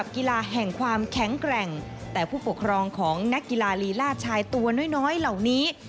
ของนักกีฬาลีลาดชายตัวน้อยเหล่านี้